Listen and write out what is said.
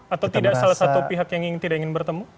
atau tidak salah satu pihak yang tidak ingin bertemu